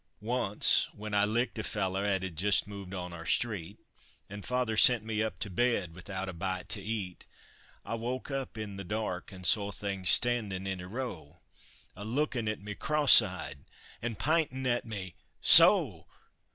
Once, when I licked a feller 'at had just moved on our street, An' father sent me up to bed without a bite to eat, I woke up in the dark an' saw things standin' in a row, A lookin' at me cross eyed an' p'intin' at me so!